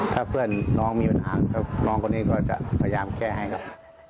ถ้าเพื่อนน้องมีปัญหากับน้องคนนี้ก็จะพยายามแก้ให้ครับ